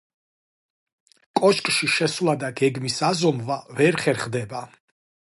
კოშკში შესვლა და გეგმის აზომვა ვერ ხერხდება.